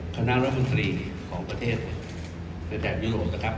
คณะรับคุณตรีของประเทศเนื้อแทนยุโรปะครับ